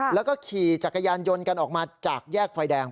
แล้วก็ขี่จักรยานยนต์กันออกมาจากแยกไฟแดง